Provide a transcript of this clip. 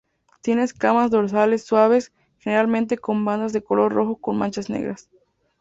Tiene escamas dorsales suaves, generalmente con bandas de color rojo con manchas negras.